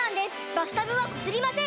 バスタブはこすりません！